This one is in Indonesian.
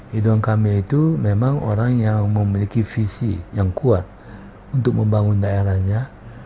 ridwan kamil itu memang orang yang memiliki visi yang kuat untuk membangun daerahnya